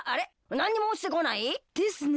なんにもおちてこない？ですね。